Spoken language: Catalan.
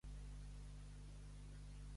Ser un desmanyotat.